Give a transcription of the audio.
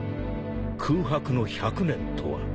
［空白の１００年とは］